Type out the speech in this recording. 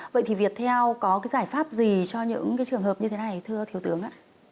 vậy thì viettel có giải pháp gì cho những trường hợp như thế này thưa thiếu tướng